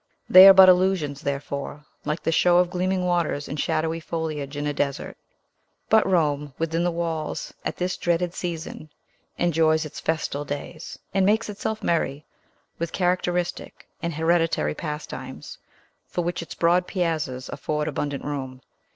They are but illusions, therefore, like the show of gleaming waters and shadowy foliage in a desert. But Rome, within the walls, at this dreaded season, enjoys its festal days, and makes itself merry with characteristic and hereditary pas times, for which its broad piazzas afford abundant room.